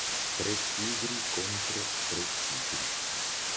Tre tigri contro tre tigri.